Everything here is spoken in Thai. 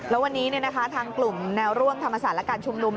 แล้ววันนี้ทางกลุ่มแนวร่วมธรรมศาสตร์และการชุมนุม